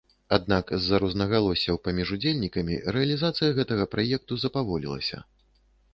Аднак з-за рознагалоссяў паміж удзельнікамі рэалізацыя гэтага праекту запаволілася.